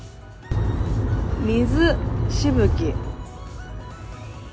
水しぶき。